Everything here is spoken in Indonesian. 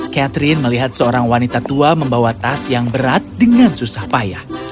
catherine melihat seorang wanita tua membawa tas yang berat dengan susah payah